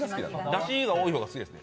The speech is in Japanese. だしが多い方が好きです。